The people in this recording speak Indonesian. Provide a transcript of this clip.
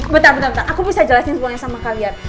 bentar bentar aku bisa jelasin semuanya sama kalian